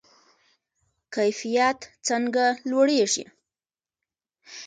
کیفیت څنګه لوړیږي؟